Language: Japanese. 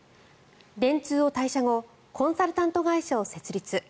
電通を退社後コンサルタント会社を設立。